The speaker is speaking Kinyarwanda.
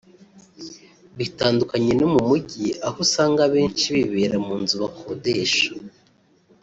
bitandukanye no mu mujyi aho usanga abenshi bibera mu nzu bakodesha